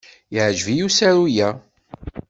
Yeɛjeb-iyi usaru-a.